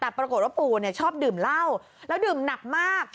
แต่ปรากฏว่าปู่ชอบดื่มเหล้าแล้วดื่มหนักมาก